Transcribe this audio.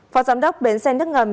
phó giám đốc bến xe nước ngầm